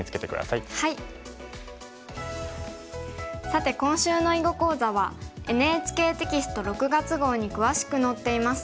さて今週の囲碁講座はＮＨＫテキスト６月号に詳しく載っています。